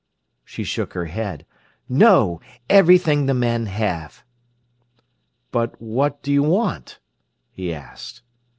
—she shook her head—"no! Everything the men have." "But what do you want?" he asked.